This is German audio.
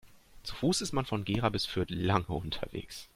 Zu Fuß ist man von Gera bis Fürth lange unterwegs